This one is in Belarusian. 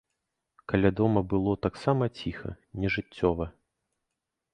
Каля дома было таксама ціха, нежыццёва.